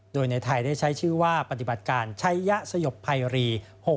โดยในไทยได้ใช้ชื่อว่าปฏิบัติการชัยยะสยบภัยรี๖๖